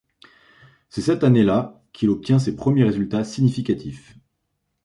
C'est cette année-là qu'il obtient ses premier résultats significatifs.